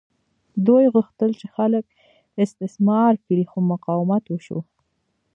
دوی غوښتل چې خلک استثمار کړي خو مقاومت وشو.